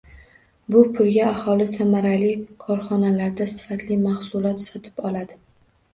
Bu pulga aholi samarali korxonalardan sifatli mahsulot sotib oladi